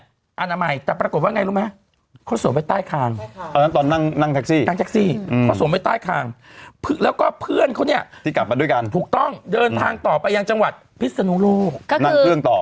อนามัยแต่ปรากฏว่าไงรู้ไหมเขาสวมไว้ใต้คางอันนั้นตอนนั่งนั่งแท็กซี่นั่งแท็กซี่เขาสวมไว้ใต้คางแล้วก็เพื่อนเขาเนี่ยที่กลับมาด้วยกันถูกต้องเดินทางต่อไปยังจังหวัดพิศนุโลกนั่งเครื่องต่อ